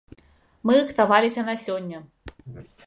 Мы рыхтаваліся на сёння.